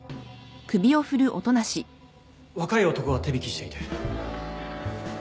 若い男が手引きしていて。